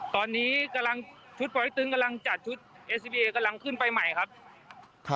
ตอนนี้กำลังชุดปลอยตึงกำลังจัดชุดเอสซีบีเอกำลังขึ้นไปใหม่ครับ